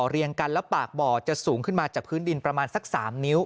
เรียงกันแล้วปากบ่อจะสูงขึ้นมาจากพื้นดินประมาณสัก๓นิ้ว